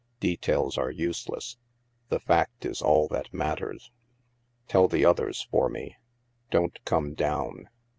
Details are useless. The fact is all that matters. " Tell the others for me. Don't come down.